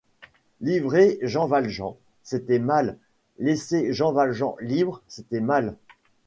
Livrer Jean Valjean, c’était mal ; laisser Jean Valjean libre, c’était mal.